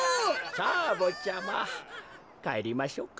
さあぼっちゃまかえりましょうか。